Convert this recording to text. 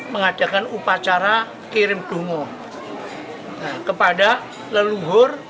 mengadakan upacara kirim dungu kepada leluhur